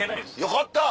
よかった！